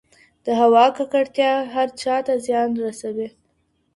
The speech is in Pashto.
د هوا ککړتیا هر چا ته زیان رسوي.